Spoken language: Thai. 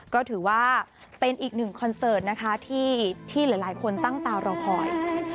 ก็ถือว่าเป็นอีกหนึ่งคอนเสิร์ตนะคะที่หลายคนตั้งตารอคอย